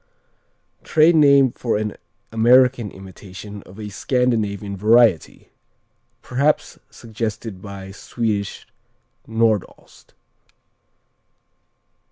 _ Trade name for an American imitation of a Scandinavian variety, perhaps suggested by Swedish Nordost.